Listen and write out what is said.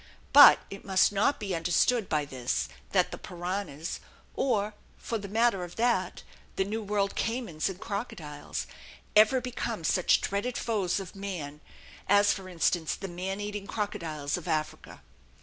But it must not be understood by this that the piranhas or, for the matter of that, the New World caymans and crocodiles ever become such dreaded foes of man as for instance the man eating crocodiles of Africa.